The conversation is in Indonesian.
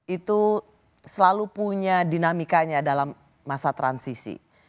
itu selalu punya dinamikanya dalam masa transisi